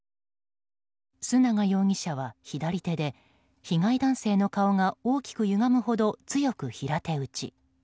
須永容疑者は左手で被害男性の顔が大きくゆがむほど強く平手打ち。